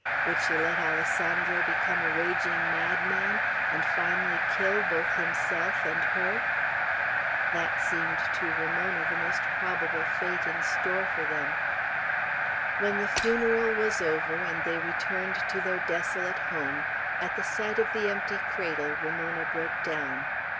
Would she let Alessandro become a raging madman, and finally kill both himself and her? That seemed to Ramona the most probable fate in store for them. When the funeral was over, and they returned to their desolate home, at the sight of the empty cradle Ramona broke down.